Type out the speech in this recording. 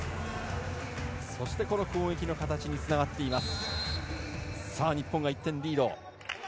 そしてこの攻撃の形につながっています。